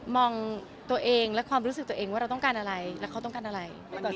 มองตัวเองและความรู้สึกตัวเองว่าเราต้องการอะไรแล้วเขาต้องการอะไร